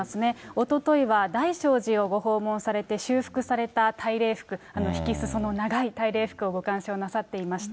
おとといは大聖寺をご訪問されて、修復された大礼服、ひきすその長い大礼服をご鑑賞なさっていました。